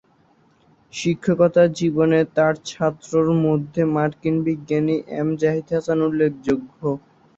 শিক্ষকতা জীবনে তার ছাত্রদের মধ্যে মার্কিন বিজ্ঞানী এম জাহিদ হাসান উল্লেখযোগ্য।